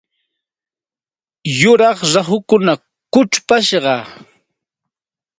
Yuraq rahukuna kuchupashqa.